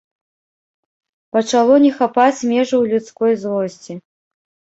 Пачало не хапаць межаў людской злосці.